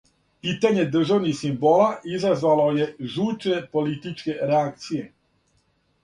Питање државних симбола изазвало је жучне политичке реакције.